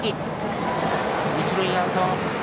一塁、アウト。